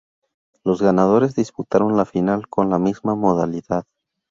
Los ganadores disputaron la final, con la misma modalidad.